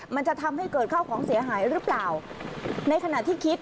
มันจะทำให้เกิดข้าวของเสียหายหรือเปล่าในขณะที่คิด